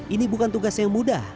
ini bukan tugas yang mudah